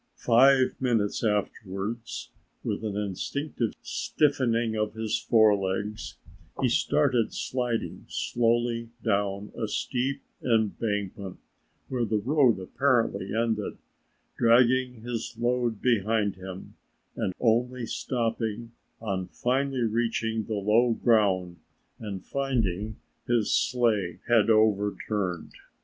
Five minutes afterwards with an instinctive stiffening of his forelegs he started sliding slowly down a steep embankment, where the road apparently ended, dragging his load behind him and only stopping on finally reaching the low ground and finding his sleigh had overturned.